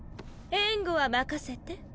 援護は任せて。